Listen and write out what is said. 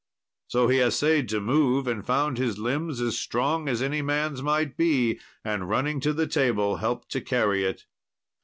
So he assayed to move, and found his limbs as strong as any man's might be, and running to the table helped to carry it.